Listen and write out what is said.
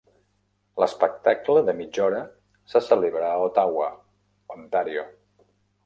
L'espectacle de mitja hora se celebra a Ottawa, Ontario.